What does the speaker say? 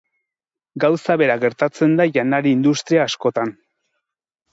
Gauza bera gertatzen da janari industria askotan.